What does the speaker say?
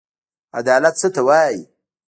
عدالت څه ته وايي.